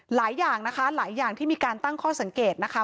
หลายอย่างนะคะหลายอย่างที่มีการตั้งข้อสังเกตนะคะ